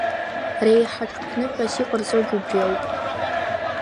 Реиҳа ҽԥныҳәас иҟарҵогьы убри ауп.